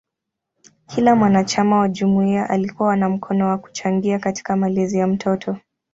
Kila mwanachama wa jumuiya alikuwa na mkono kwa kuchangia katika malezi ya mtoto.